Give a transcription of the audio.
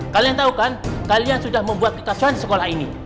kalian tahu kan kalian sudah membuat kekacauan di sekolah ini